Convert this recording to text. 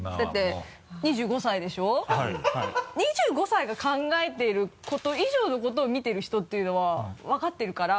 ２５歳が考えていること以上のことを見てる人っていうのは分かってるから。